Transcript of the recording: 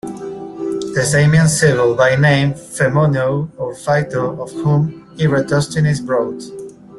The Samian Sibyl, by name Phemonoe, or Phyto of whom Eratosthenes wrote.